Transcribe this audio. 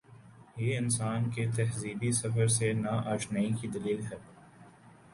یہ انسان کے تہذیبی سفر سے نا آ شنائی کی دلیل ہے۔